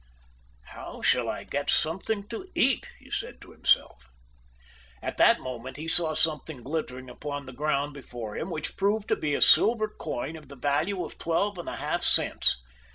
"How shall I get something to eat?" he said to himself. At that moment he saw something glittering upon the ground before him, which proved to be a silver coin of the value of twelve and a half cents.